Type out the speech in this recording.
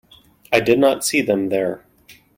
I did not see them there.